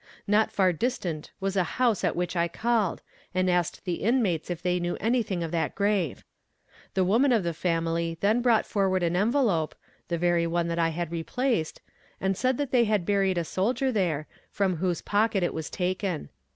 Not far distant was a house at which I called, and asked the inmates if they knew anything of that grave. The woman of the family then brought forward an envelope, (the very one that I had replaced), and said they had buried a soldier there, from whose pocket it was taken.